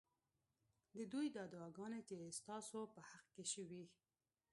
ددوی دا دعاګانې چې ستا سو په حق کي شوي